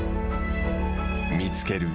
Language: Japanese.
見つける。